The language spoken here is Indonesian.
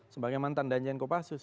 sebagai mantan danjen kopassus